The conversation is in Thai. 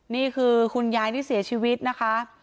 นี่คือคุณยายที่เสียชีวิตนะคะ